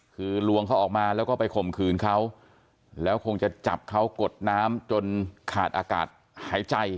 คือลวงเขาออกมาแล้วก็ไปข่มขืนเขาแล้วคงจะจับเขากดน้ำจนขาดอากาศหายใจ